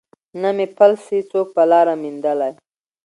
نه مي پل سي څوک په لاره کي میندلای